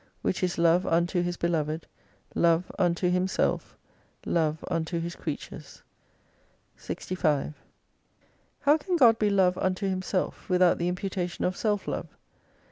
Which is Love unto His beloved, Love unto Himself, Love unto His creatures. 65 How can God be Love unto Himself, without the imputation of self love